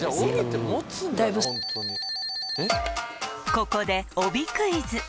ここで帯クイズ！